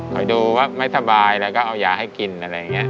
คอยดูว่าไม่สบายแล้วก็เอายาให้กินอะไรอย่างนี้